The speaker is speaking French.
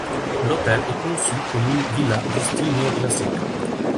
L’hôtel est conçu comme une villa de style néo-classique.